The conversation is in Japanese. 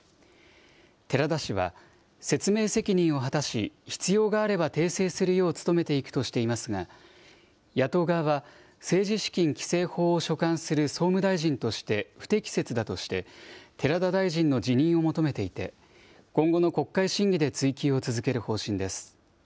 寺田氏は、説明責任を果たし、必要があれば訂正するよう努めていくとしていますが、野党側は、政治資金規正法を所管する総務大臣として不適切だとして、寺田大臣の辞任を求めていて、今後の国会審議で追及を続ける方針です。